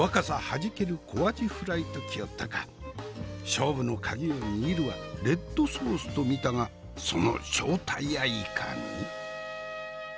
勝負の鍵を握るはレッドソースと見たがその正体やいかに？